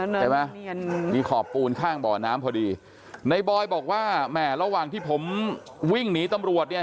ใช่ไหมมีขอบปูนข้างบ่อน้ำพอดีในบอยบอกว่าแหม่ระหว่างที่ผมวิ่งหนีตำรวจเนี่ย